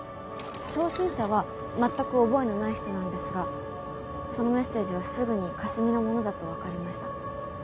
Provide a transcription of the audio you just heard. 送信者は全く覚えのない人なんですがそのメッセージはすぐにかすみのものだと分かりました。